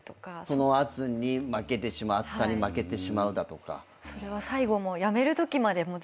その圧に負けてしまうあつさに負けてしまうだとか。